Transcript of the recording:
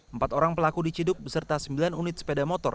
empat orang pelaku diciduk beserta sembilan unit sepeda motor